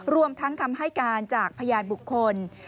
รวมทั้งคำให้การจากพยานบุคคล